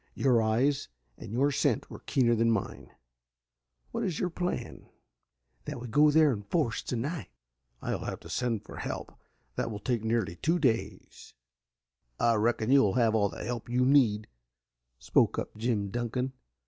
Your eyes and your scent were keener than mine. What is your plan?" "That we go there in force tonight." "I'll have to send for help. That will take nearly two days." "I reckon you will have all the help you need," spoke up Jim Dunkan.